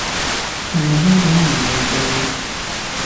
係咪香港人認證